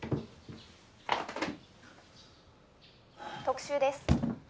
「特集です」